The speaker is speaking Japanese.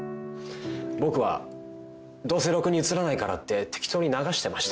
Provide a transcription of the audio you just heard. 僕はどうせろくに映らないからって適当に流してました。